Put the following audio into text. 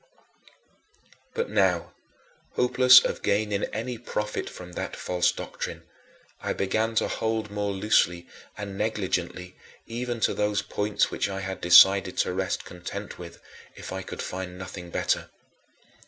19. But now, hopeless of gaining any profit from that false doctrine, I began to hold more loosely and negligently even to those points which I had decided to rest content with, if I could find nothing better.